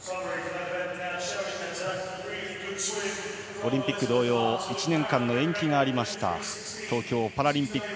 オリンピック同様１年間の延期がありました東京パラリンピック。